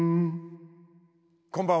こんばんは。